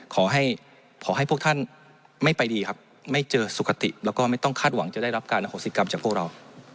ขอให้พวกท่านไม่ไปดีไม่เจอสุขติและไม่ต้องคาดหวังจะได้รับการนะโฮศิษย์กรรมจากพวกเรา